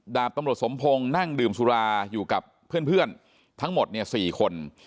ดาบตำรวจสมพงศ์นั่งดื่มสุราอยู่กับเพื่อนทั้งหมดเนี่ย๔คน